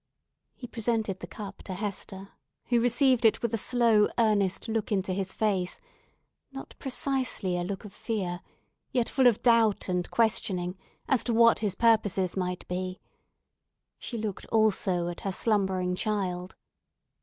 He presented the cup to Hester, who received it with a slow, earnest look into his face; not precisely a look of fear, yet full of doubt and questioning as to what his purposes might be. She looked also at her slumbering child.